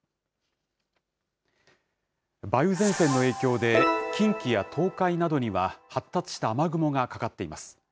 梅雨前線の影響で近畿や東海などには発達した雨雲がかかっています。